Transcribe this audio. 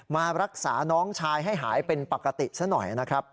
มารักษาน้องชายให้หายเป็นปกติซะหน่อยนะครับ